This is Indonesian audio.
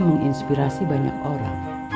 menginspirasi banyak orang